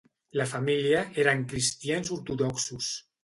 La família eren cristians ortodoxos.